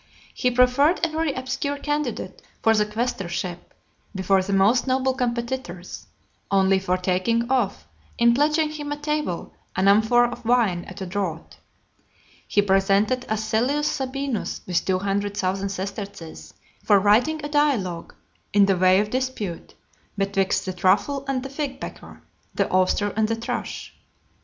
He preferred a very obscure candidate for the quaestorship, before the most noble competitors, only for taking off, in pledging him at table, an amphora of wine at a draught . He presented Asellius Sabinus with two hundred thousand sesterces, for writing a dialogue, in the way of dispute, betwixt the truffle and the fig pecker, the oyster and the thrush.